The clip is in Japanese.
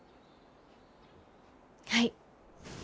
はい。